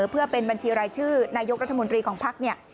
เพื่อเป็นบัญชีรายชื่อนายกรัฐมนตรีของภักดิ์เนี่ย